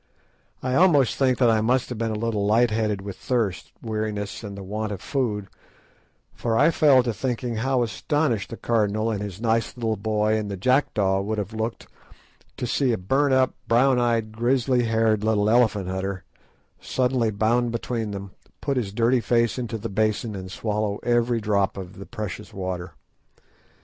I almost think that I must have been a little light headed with thirst, weariness and the want of food; for I fell to thinking how astonished the Cardinal and his nice little boy and the jackdaw would have looked to see a burnt up, brown eyed, grizzly haired little elephant hunter suddenly bound between them, put his dirty face into the basin, and swallow every drop of the precious water.